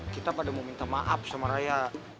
kita pada mau minta maaf sama raya